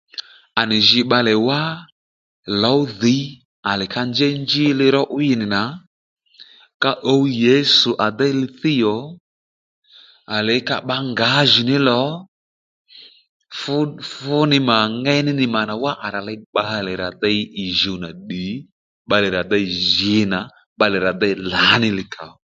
À nì jǐ bbalè wá lǒ dhǐy à lè ka njěy njí li ró 'wíy nì nà ka ǔw Yesu à déy li thíy ò à lè ka bbǎ ngǎjìní lò fú fúnì mà ngéyní mà nà wá rà ley bbalè rà dey ì jùw nà ddì bbalè rà dey jǐ nà bbalè rà dey lǎní li kàó